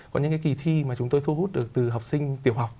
có những cái kỳ thi mà chúng tôi thu hút được từ học sinh tiểu học